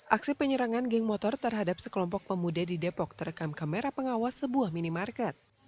aksi penyerangan geng motor terhadap sekelompok pemuda di depok terekam kamera pengawas sebuah minimarket